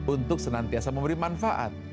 untuk senantiasa memberi manfaat